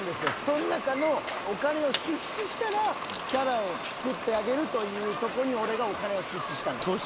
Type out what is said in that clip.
その中のお金を出資したらキャラを作ってあげるというとこに俺がお金を出資したのよ。